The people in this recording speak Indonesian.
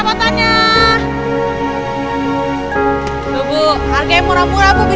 di kantor biar dia terswindul